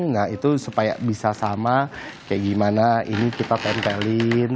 nah itu supaya bisa sama kayak gimana ini kita tempelin